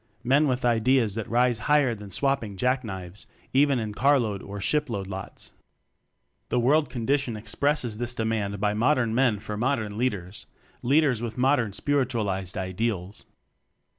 Men with ideas that rise higher than swapping jack knives even in carload or shipload lots. The "World condition" expresses this demand by modern men for mod ern leaders, leaders with modern spir itualized ideals.